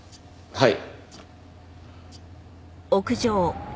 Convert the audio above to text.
はい。